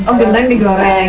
oh gendang digoreng